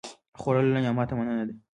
خوړل له نعمته مننه ده